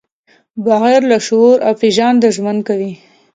بغیر له شعور او پېژانده ژوند کوي.